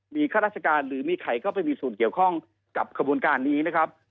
มีข้าราชการหรือมีใครเข้าไปมีส่วนเกี่ยวข้องกับขบวนการนี้นะครับ